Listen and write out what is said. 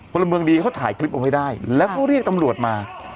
พลเมืองดีเขาถ่ายคลิปเอาไว้ได้แล้วก็เรียกตำรวจมา